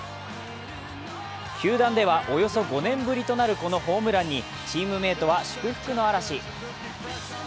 球団ではおよそ５年ぶりとなるこのホームランに、チームメイトは祝福の嵐。